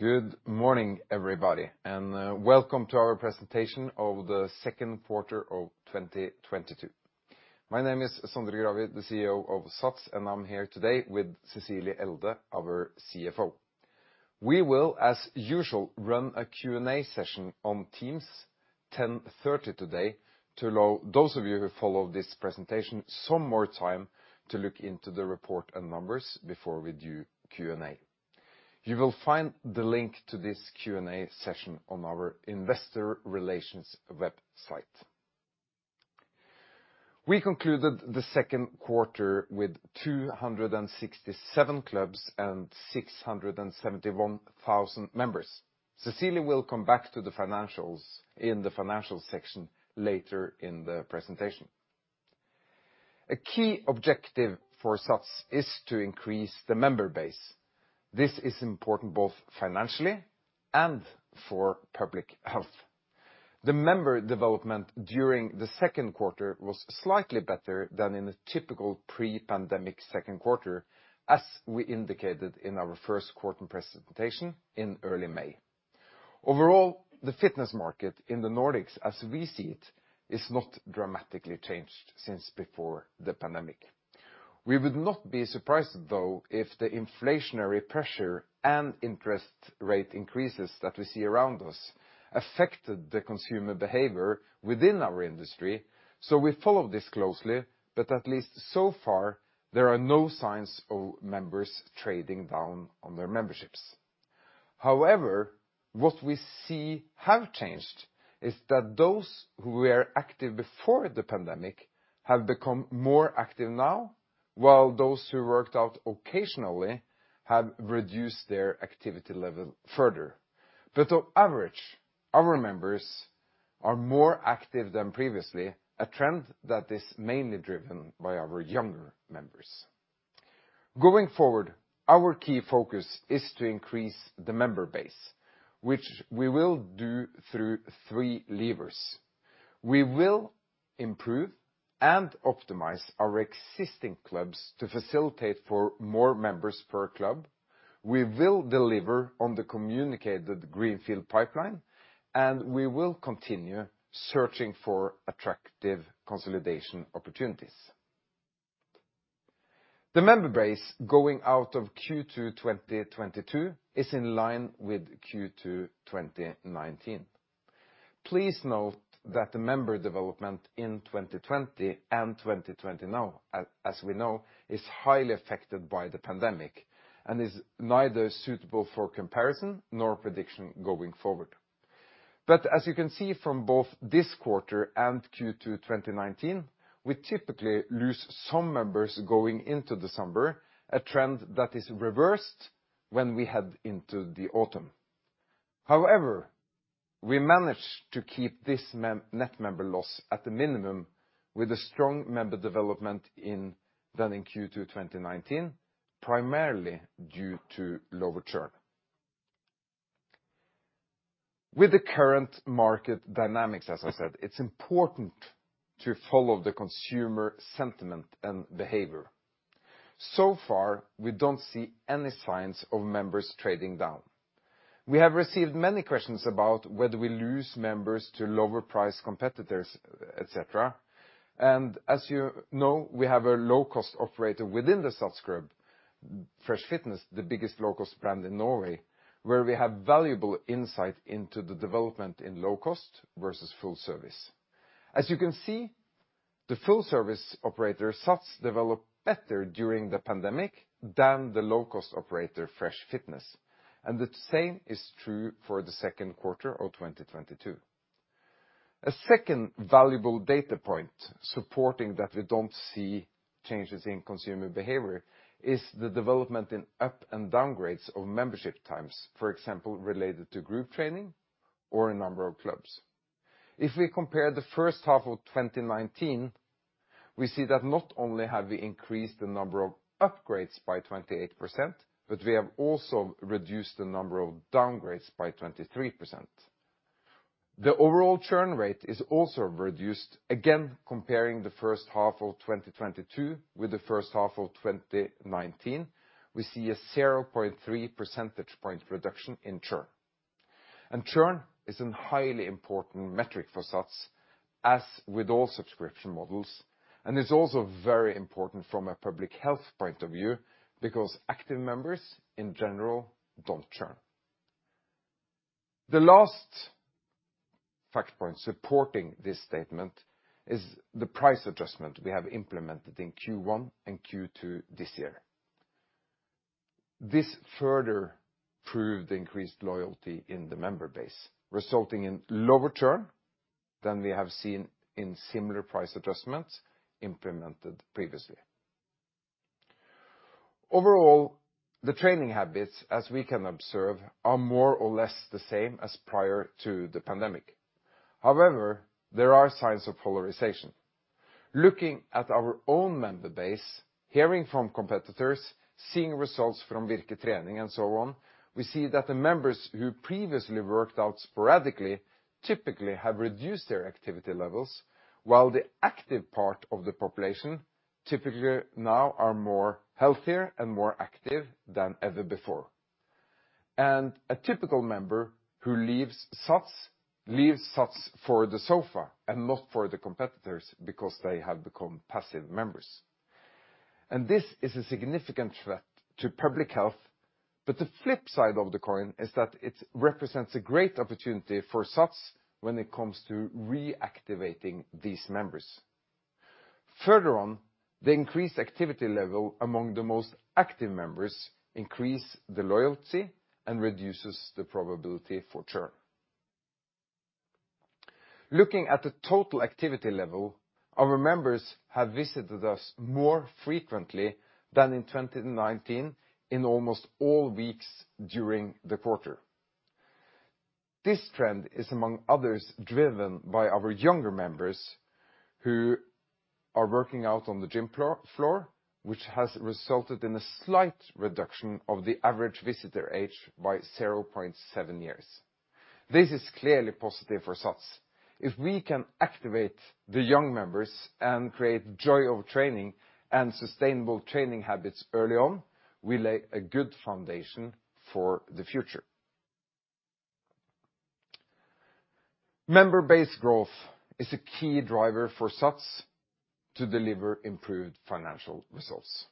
Good morning, everybody, and welcome to our presentation of the second quarter of 2022. My name is Sondre Gravir, the CEO of SATS, and I'm here today with Cecilie Elde, our CFO. We will, as usual, run a Q&A session on Teams 10:30 A.M. today to allow those of you who follow this presentation some more time to look into the report and numbers before we do Q&A. You will find the link to this Q&A session on our investor relations website. We concluded the second quarter with 267 clubs and 671,000 members. Cecilie will come back to the financials in the financial section later in the presentation. A key objective for SATS is to increase the member base. This is important both financially and for public health. The member development during the second quarter was slightly better than in a typical pre-pandemic second quarter, as we indicated in our Q1 presentation in early May. Overall, the fitness market in the Nordics, as we see it, is not dramatically changed since before the pandemic. We would not be surprised, though, if the inflationary pressure and interest rate increases that we see around us affected the consumer behavior within our industry, so we follow this closely, but at least so far, there are no signs of members trading down on their memberships. However, what we see have changed is that those who were active before the pandemic have become more active now, while those who worked out occasionally have reduced their activity level further. On average, our members are more active than previously, a trend that is mainly driven by our younger members. Going forward, our key focus is to increase the member base, which we will do through three levers. We will improve and optimize our existing clubs to facilitate for more members per club. We will deliver on the communicated greenfield pipeline, and we will continue searching for attractive consolidation opportunities. The member base going out of Q2 2022 is in line with Q2 2019. Please note that the member development in 2020 and 2021, as we know, is highly affected by the pandemic and is neither suitable for comparison nor prediction going forward. As you can see from both this quarter and Q2 2019, we typically lose some members going into December, a trend that is reversed when we head into the autumn. However, we managed to keep this net member loss at the minimum with a strong member development in Q2 2019, primarily due to lower churn. With the current market dynamics, as I said, it's important to follow the consumer sentiment and behavior. So far, we don't see any signs of members trading down. We have received many questions about whether we lose members to lower-priced competitors, et cetera. As you know, we have a low-cost operator within the SATS club, Fresh Fitness, the biggest low-cost brand in Norway, where we have valuable insight into the development in low cost versus full service. As you can see, the full service operator, SATS, developed better during the pandemic than the low-cost operator, Fresh Fitness. The same is true for the second quarter of 2022. A second valuable data point supporting that we don't see changes in consumer behavior is the development in up- and downgrades of membership times, for example, related to group training or a number of clubs. If we compare the first half of 2019, we see that not only have we increased the number of upgrades by 28%, but we have also reduced the number of downgrades by 23%. The overall churn rate is also reduced. Again, comparing the first half of 2022 with the first half of 2019, we see a 0.3 percentage point reduction in churn. Churn is a highly important metric for SATS, as with all subscription models, and is also very important from a public health point of view because active members in general don't churn. The last fact point supporting this statement is the price adjustment we have implemented in Q1 and Q2 this year. This further proved increased loyalty in the member base, resulting in lower churn than we have seen in similar price adjustments implemented previously. Overall, the training habits, as we can observe, are more or less the same as prior to the pandemic. However, there are signs of polarization. Looking at our own member base, hearing from competitors, seeing results from Virke Trening and so on, we see that the members who previously worked out sporadically typically have reduced their activity levels while the active part of the population typically now are more healthier and more active than ever before. A typical member who leaves SATS leaves SATS for the sofa and not for the competitors because they have become passive members. This is a significant threat to public health, but the flip side of the coin is that it represents a great opportunity for SATS when it comes to reactivating these members. Further on, the increased activity level among the most active members increase the loyalty and reduces the probability for churn. Looking at the total activity level, our members have visited us more frequently than in 2019 in almost all weeks during the quarter. This trend is among others driven by our younger members who are working out on the gym floor, which has resulted in a slight reduction of the average visitor age by 0.7 years. This is clearly positive for SATS. If we can activate the young members and create joy of training and sustainable training habits early on, we lay a good foundation for the future. Member base growth is a key driver for SATS to deliver improved financial results.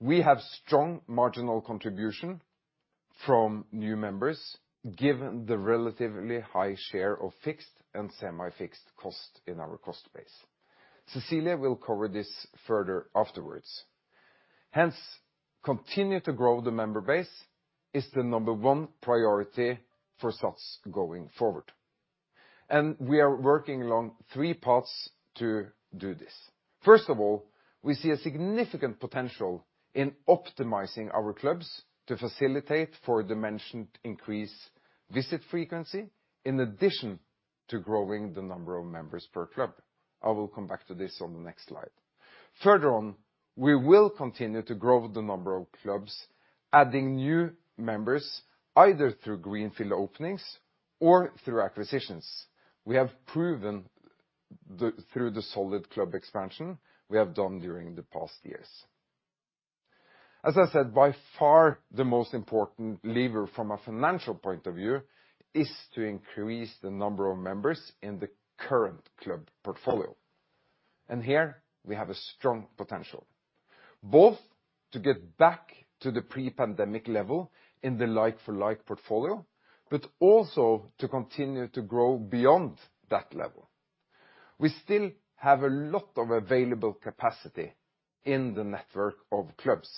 We have strong marginal contribution from new members given the relatively high share of fixed and semi-fixed costs in our cost base. Cecilie will cover this further afterwards. Hence, continue to grow the member base is the number one priority for SATS going forward, and we are working along three paths to do this. First of all, we see a significant potential in optimizing our clubs to facilitate for the mentioned increase visit frequency in addition to growing the number of members per club. I will come back to this on the next slide. Further on, we will continue to grow the number of clubs, adding new members either through greenfield openings or through acquisitions. We have proven through the solid club expansion we have done during the past years. As I said, by far the most important lever from a financial point of view is to increase the number of members in the current club portfolio. Here we have a strong potential, both to get back to the pre-pandemic level in the like-for-like portfolio, but also to continue to grow beyond that level. We still have a lot of available capacity in the network of clubs,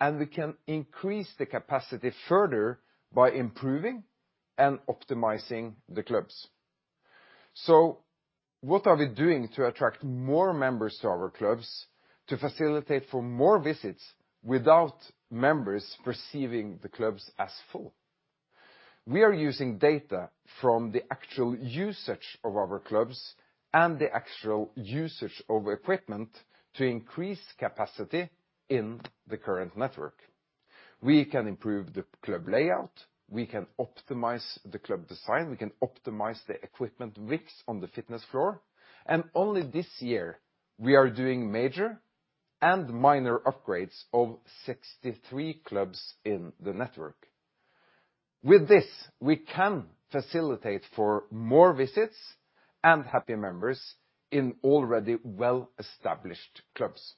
and we can increase the capacity further by improving and optimizing the clubs. What are we doing to attract more members to our clubs to facilitate for more visits without members perceiving the clubs as full? We are using data from the actual usage of our clubs and the actual usage of equipment to increase capacity in the current network. We can improve the club layout. We can optimize the club design. We can optimize the equipment mix on the fitness floor. Only this year, we are doing major and minor upgrades of 63 clubs in the network. With this, we can facilitate for more visits and happier members in already well-established clubs.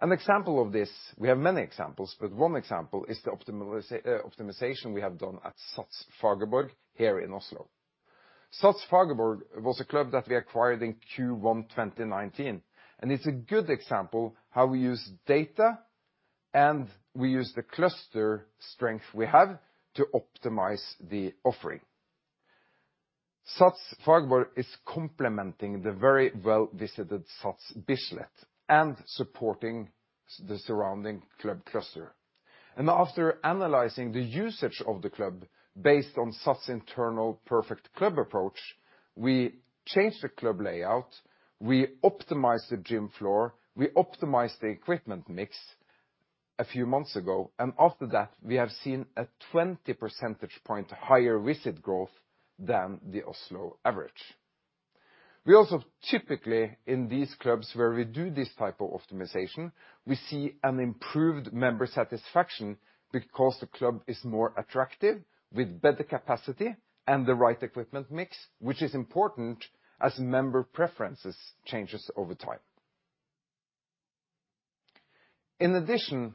An example of this, we have many examples, but one example is the optimization we have done at SATS Fagerborg here in Oslo. SATS Fagerborg was a club that we acquired in Q1 2019, and it's a good example how we use data and we use the cluster strength we have to optimize the offering. SATS Fagerborg is complementing the very well-visited SATS Bislett and supporting the surrounding club cluster. After analyzing the usage of the club based on SATS' internal perfect club approach, we changed the club layout, we optimized the gym floor, we optimized the equipment mix a few months ago. After that, we have seen a 20 percentage point higher visit growth than the Oslo average. We also typically in these clubs where we do this type of optimization, we see an improved member satisfaction because the club is more attractive with better capacity and the right equipment mix, which is important as member preferences changes over time. In addition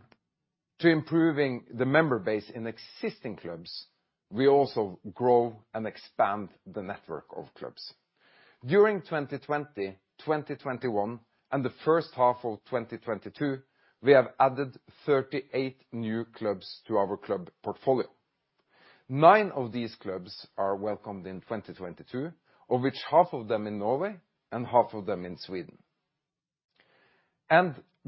to improving the member base in existing clubs, we also grow and expand the network of clubs. During 2020, 2021, and the first half of 2022, we have added 38 new clubs to our club portfolio. Nine of these clubs are welcomed in 2022, of which half of them in Norway and half of them in Sweden.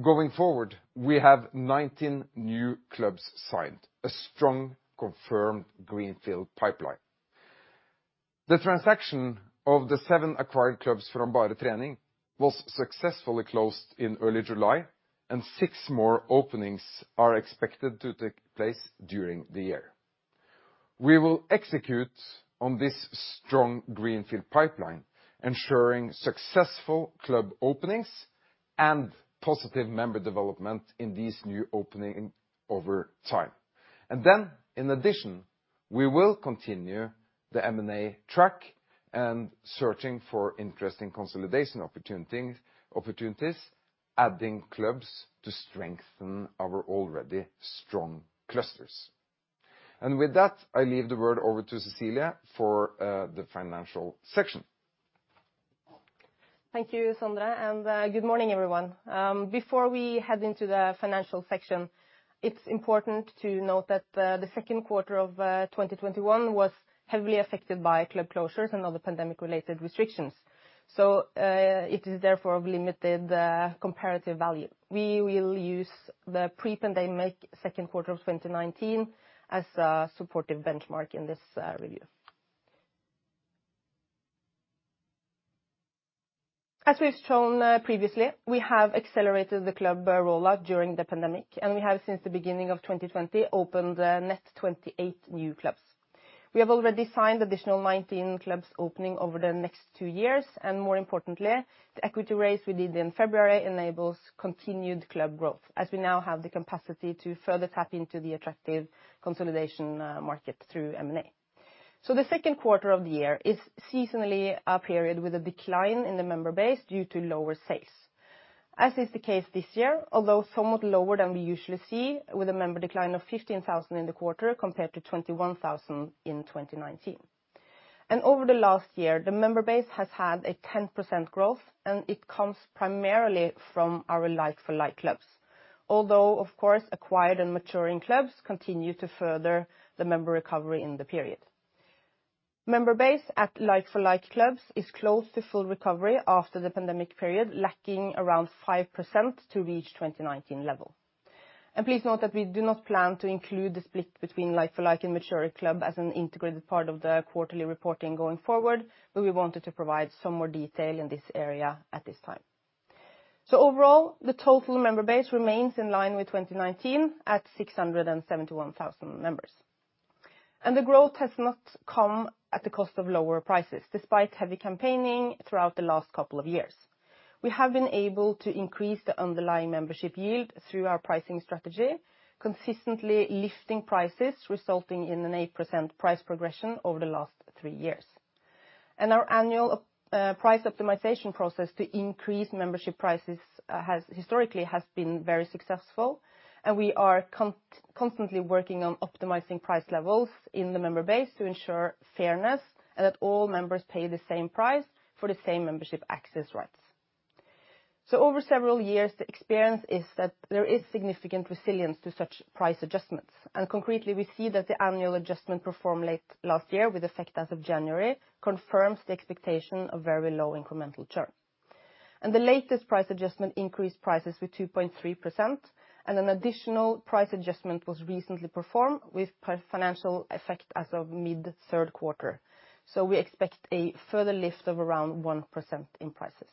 Going forward, we have 19 new clubs signed, a strong confirmed greenfield pipeline. The transaction of the 7 acquired clubs from Bare Trening was successfully closed in early July, and 6 more openings are expected to take place during the year. We will execute on this strong greenfield pipeline, ensuring successful club openings and positive member development in these new openings over time. In addition, we will continue the M&A track and searching for interesting consolidation opportunities, adding clubs to strengthen our already strong clusters. With that, I leave the word over to Cecilie for the financial section. Thank you, Sondre, and good morning, everyone. Before we head into the financial section, it's important to note that the second quarter of 2021 was heavily affected by club closures and other pandemic-related restrictions. It is therefore of limited comparative value. We will use the pre-pandemic second quarter of 2019 as a supportive benchmark in this review. As we've shown previously, we have accelerated the club rollout during the pandemic, and we have since the beginning of 2020 opened net 28 new clubs. We have already signed additional 19 clubs opening over the next two years, and more importantly, the equity raise we did in February enables continued club growth, as we now have the capacity to further tap into the attractive consolidation market through M&A. The second quarter of the year is seasonally a period with a decline in the member base due to lower sales. As is the case this year, although somewhat lower than we usually see, with a member decline of 15,000 in the quarter compared to 21,000 in 2019. Over the last year, the member base has had a 10% growth, and it comes primarily from our like-for-like clubs. Although, of course, acquired and maturing clubs continue to further the member recovery in the period. Member base at like-for-like clubs is close to full recovery after the pandemic period, lacking around 5% to reach 2019 level. Please note that we do not plan to include the split between like-for-like and mature club as an integrated part of the quarterly reporting going forward, but we wanted to provide some more detail in this area at this time. Overall, the total member base remains in line with 2019 at 671,000 members. The growth has not come at the cost of lower prices, despite heavy campaigning throughout the last couple of years. We have been able to increase the underlying membership yield through our pricing strategy, consistently lifting prices, resulting in an 8% price progression over the last three years. Our annual price optimization process to increase membership prices has historically been very successful, and we are constantly working on optimizing price levels in the member base to ensure fairness and that all members pay the same price for the same membership access rights. Over several years, the experience is that there is significant resilience to such price adjustments. Concretely, we see that the annual adjustment performed late last year with effect as of January confirms the expectation of very low incremental churn. The latest price adjustment increased prices with 2.3% and an additional price adjustment was recently performed with financial effect as of mid third quarter. We expect a further lift of around 1% in prices.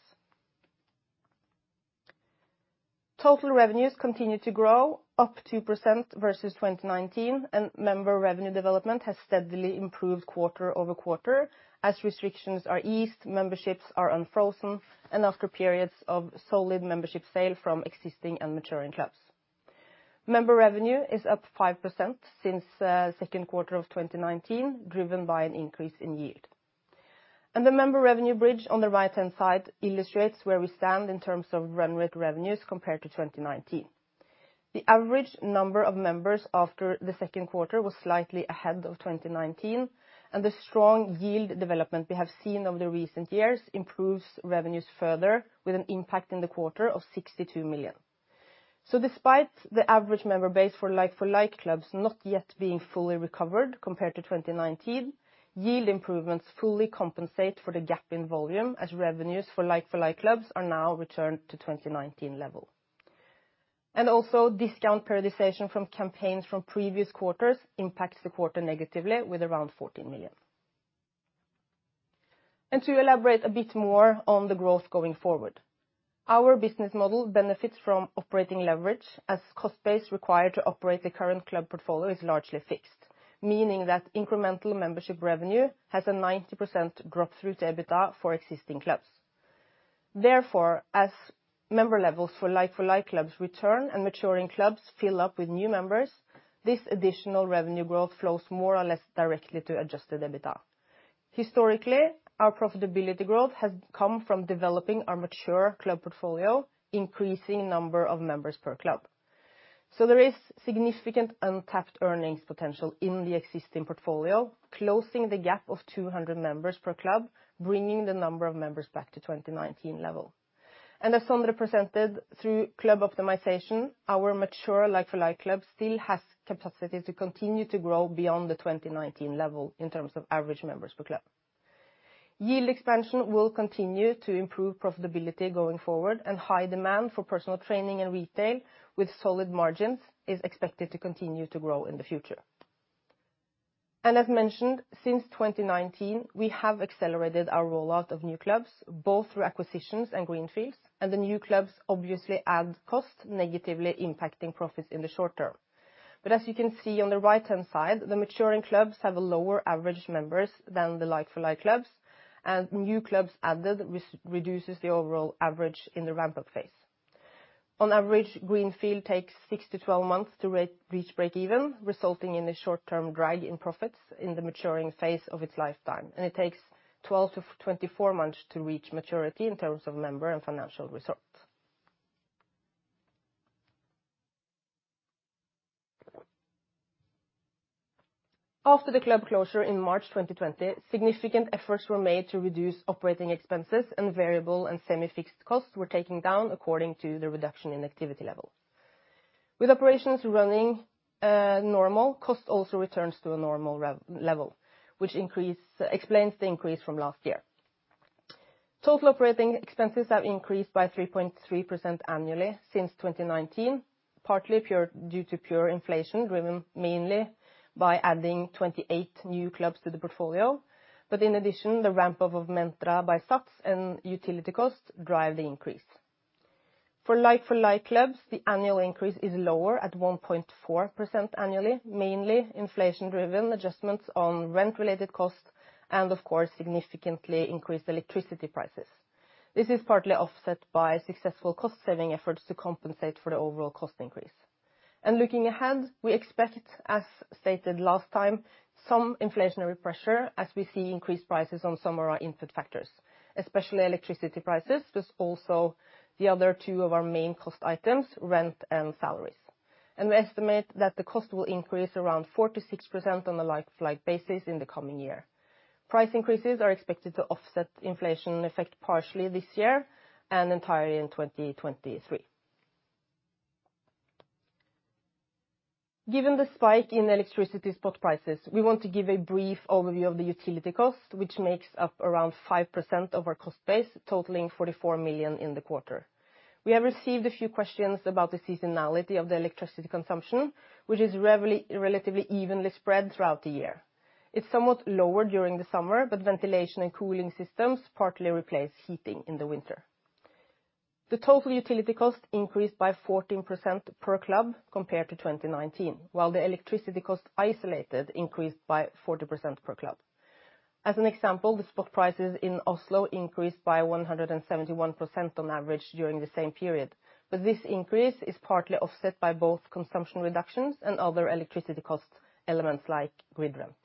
Total revenues continue to grow up 2% versus 2019, and member revenue development has steadily improved quarter-over-quarter as restrictions are eased, memberships are unfrozen, and after periods of solid membership sale from existing and maturing clubs. Member revenue is up 5% since second quarter of 2019, driven by an increase in yield. The member revenue bridge on the right-hand side illustrates where we stand in terms of run rate revenues compared to 2019. The average number of members after the second quarter was slightly ahead of 2019, and the strong yield development we have seen over the recent years improves revenues further with an impact in the quarter of 62 million. Despite the average member base for like-for-like clubs not yet being fully recovered compared to 2019, yield improvements fully compensate for the gap in volume as revenues for like-for-like clubs are now returned to 2019 level. Discount periodization from campaigns from previous quarters impacts the quarter negatively with around 14 million. To elaborate a bit more on the growth going forward, our business model benefits from operating leverage as cost base required to operate the current club portfolio is largely fixed, meaning that incremental membership revenue has a 90% drop through to EBITDA for existing clubs. Therefore, as member levels for like-for-like clubs return and maturing clubs fill up with new members, this additional revenue growth flows more or less directly to adjusted EBITDA. Historically, our profitability growth has come from developing our mature club portfolio, increasing number of members per club. There is significant untapped earnings potential in the existing portfolio, closing the gap of 200 members per club, bringing the number of members back to 2019 level. As Sondre presented, through club optimization, our mature like-for-like club still has capacity to continue to grow beyond the 2019 level in terms of average members per club. Yield expansion will continue to improve profitability going forward, and high demand for personal training and retail with solid margins is expected to continue to grow in the future. As mentioned, since 2019, we have accelerated our rollout of new clubs, both through acquisitions and greenfields, and the new clubs obviously add cost, negatively impacting profits in the short term. As you can see on the right-hand side, the maturing clubs have a lower average members than the like-for-like clubs, and new clubs added reduces the overall average in the ramp-up phase. On average, greenfield takes 6 to 12 months to reach break even, resulting in a short-term drag in profits in the maturing phase of its lifetime, and it takes 12 to 24 months to reach maturity in terms of member and financial results. After the club closure in March 2020, significant efforts were made to reduce operating expenses, and variable and semi-fixed costs were taken down according to the reduction in activity levels. With operations running normal, cost also returns to a normal level, which explains the increase from last year. Total operating expenses have increased by 3.3% annually since 2019, partly due to pure inflation, driven mainly by adding 28 new clubs to the portfolio. In addition, the ramp-up of Mentra by SATS and utility costs drive the increase. For like-for-like clubs, the annual increase is lower at 1.4% annually, mainly inflation-driven adjustments on rent-related costs and, of course, significantly increased electricity prices. This is partly offset by successful cost-saving efforts to compensate for the overall cost increase. Looking ahead, we expect, as stated last time, some inflationary pressure as we see increased prices on some of our input factors, especially electricity prices, plus also the other two of our main cost items, rent and salaries. We estimate that the cost will increase around 4 to 6% on a like-for-like basis in the coming year. Price increases are expected to offset inflation effect partially this year and entirely in 2023. Given the spike in electricity spot prices, we want to give a brief overview of the utility cost, which makes up around 5% of our cost base, totaling 44 million in the quarter. We have received a few questions about the seasonality of the electricity consumption, which is relatively evenly spread throughout the year. It's somewhat lower during the summer, but ventilation and cooling systems partly replace heating in the winter. The total utility cost increased by 14% per club compared to 2019, while the electricity cost isolated increased by 40% per club. As an example, the spot prices in Oslo increased by 171% on average during the same period, but this increase is partly offset by both consumption reductions and other electricity cost elements like grid rent.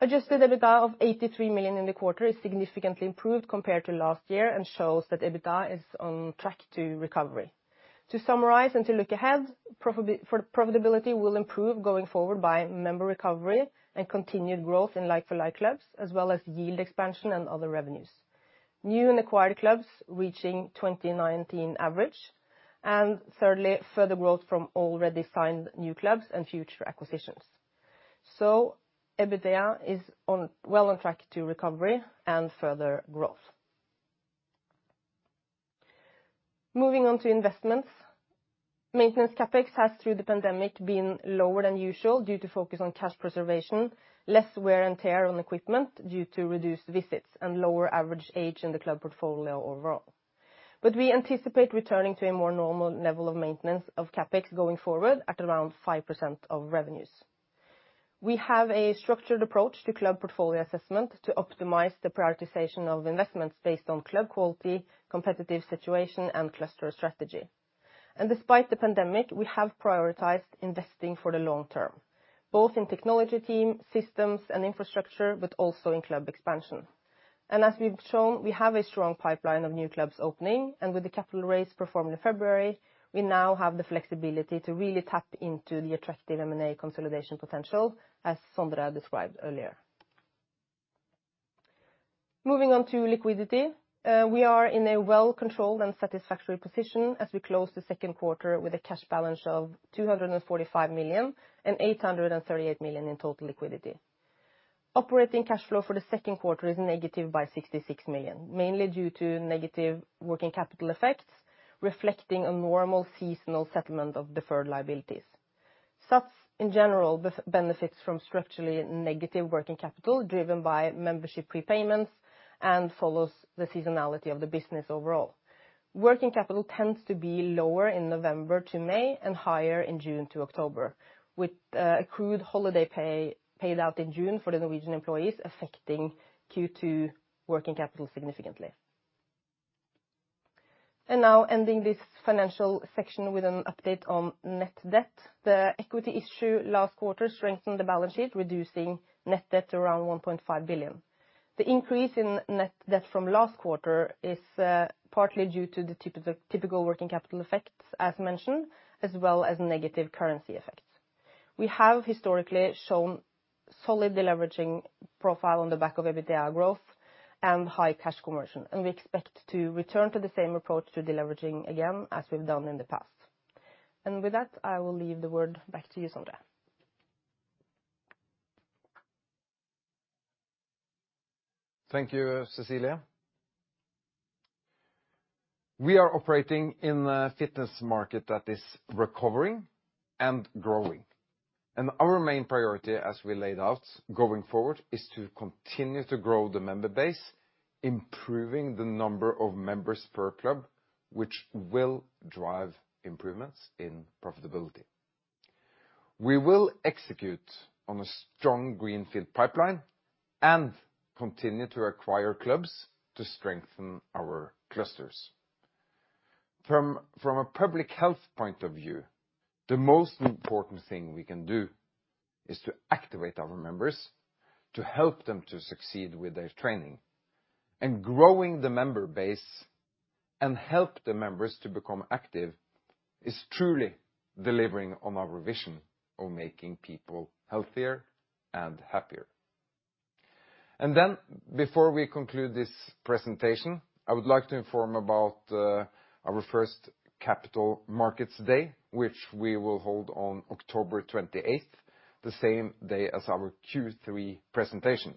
Adjusted EBITDA of 83 million in the quarter is significantly improved compared to last year and shows that EBITDA is on track to recovery. To summarize and to look ahead, profitability will improve going forward by member recovery and continued growth in like-for-like clubs, as well as yield expansion and other revenues. New and acquired clubs reaching 2019 average and thirdly, further growth from already signed new clubs and future acquisitions. EBITDA is on track to recovery and further growth. Moving on to investments. Maintenance CapEx has, through the pandemic, been lower than usual due to focus on cash preservation, less wear and tear on equipment due to reduced visits, and lower average age in the club portfolio overall. We anticipate returning to a more normal level of maintenance of CapEx going forward at around 5% of revenues. We have a structured approach to club portfolio assessment to optimize the prioritization of investments based on club quality, competitive situation, and cluster strategy. Despite the pandemic, we have prioritized investing for the long term, both in technology team, systems, and infrastructure, but also in club expansion. As we've shown, we have a strong pipeline of new clubs opening, and with the capital raise performed in February, we now have the flexibility to really tap into the attractive M&A consolidation potential, as Sondre described earlier. Moving on to liquidity. We are in a well-controlled and satisfactory position as we close the second quarter with a cash balance of 245 million and 838 million in total liquidity. Operating cash flow for the second quarter is negative by 66 million, mainly due to negative working capital effects, reflecting a normal seasonal settlement of deferred liabilities. SATS, in general, benefits from structurally negative working capital, driven by membership prepayments and follows the seasonality of the business overall. Working capital tends to be lower in November to May and higher in June to October, with accrued holiday pay paid out in June for the Norwegian employees, affecting Q2 working capital significantly. Now ending this financial section with an update on net debt. The equity issue last quarter strengthened the balance sheet, reducing net debt to around 1.5 billion. The increase in net debt from last quarter is partly due to the typical working capital effects, as mentioned, as well as negative currency effects. We have historically shown solid deleveraging profile on the back of EBITDA growth and high cash conversion, and we expect to return to the same approach to deleveraging again as we've done in the past. With that, I will leave the word back to you, Sondre. Thank you, Cecilie. We are operating in a fitness market that is recovering and growing, and our main priority, as we laid out going forward, is to continue to grow the member base, improving the number of members per club, which will drive improvements in profitability. We will execute on a strong greenfield pipeline and continue to acquire clubs to strengthen our clusters. From a public health point of view, the most important thing we can do is to activate our members to help them to succeed with their training. Growing the member base and help the members to become active is truly delivering on our vision of making people healthier and happier. Before we conclude this presentation, I would like to inform about our first Capital Markets Day, which we will hold on October 28th, the same day as our Q3 presentation.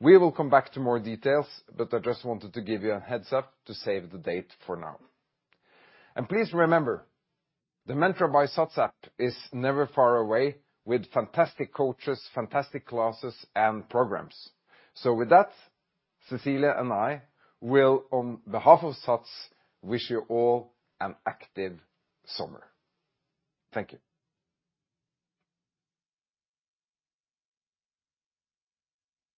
We will come back to more details, but I just wanted to give you a heads-up to save the date for now. Please remember, the Mentra by SATS app is never far away with fantastic coaches, fantastic classes, and programs. With that, Cecilie and I will, on behalf of SATS, wish you all an active summer. Thank you.